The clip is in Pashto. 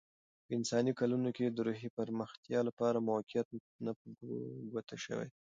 په انساني کلونه کې، د روحي پرمختیا لپاره موقعیتونه په ګوته شوي دي.